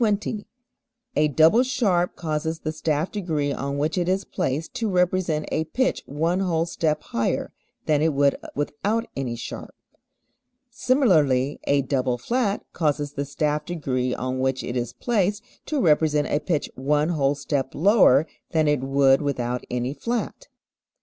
A double sharp causes the staff degree on which it is placed to represent a pitch one whole step higher than it would without any sharp. Similarly, a double flat causes the staff degree on which it is placed to represent a pitch one whole step lower than it would without any flat.